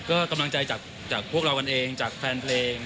ก็กำลังใจจากพวกเรากันเองจากแฟนเพลง